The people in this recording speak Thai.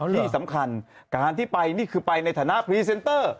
ที่สำคัญการที่ไปนี่คือไปในฐานะพรีเซนเตอร์